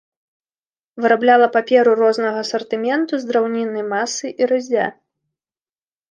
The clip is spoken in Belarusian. Вырабляла паперу рознага асартыменту з драўніннай масы і рыззя.